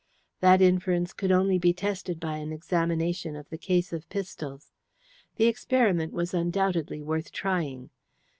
That inference could only be tested by an examination of the case of pistols. The experiment was undoubtedly worth trying.